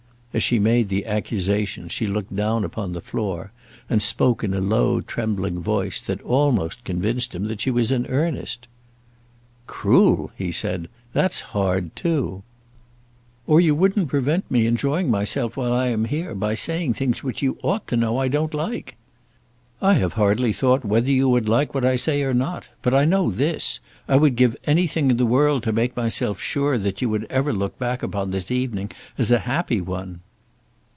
As she made the accusation, she looked down upon the floor, and spoke in a low, trembling voice that almost convinced him that she was in earnest. "Cruel!" said he. "That's hard too." "Or you wouldn't prevent me enjoying myself while I am here, by saying things which you ought to know I don't like." "I have hardly thought whether you would like what I say or not; but I know this; I would give anything in the world to make myself sure that you would ever look back upon this evening as a happy one."